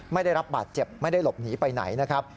ไม่ได้รับบาดเจ็บไม่ได้หลบหนีไปไหนนะครับ